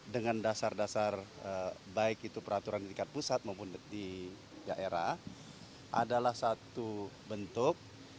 dengan dasar dasar baik itu peraturan di tingkat pusat maupun di daerah adalah satu bentuk